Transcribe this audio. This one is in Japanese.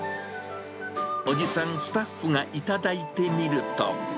おじさんスタッフが頂いてみると。